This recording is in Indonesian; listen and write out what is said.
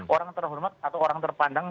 orang terhormat atau orang terpandang